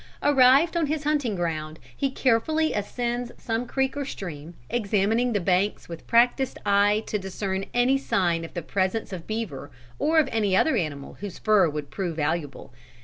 Arrived on his hunting ground he carefully ascends some creek or stream, examining the banks with practiced eye to discern any sign of the presence of beaver or of any other animal whose fur would prove valuable.